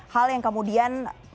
hal yang kemudian